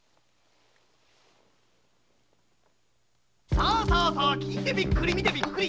さぁさぁ聞いてびっくり見てびっくり！